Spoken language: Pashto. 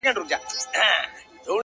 • خلک يوازي بقا غواړي دلته..